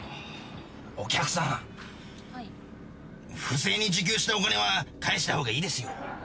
不正に受給したお金は返した方がいいですよ。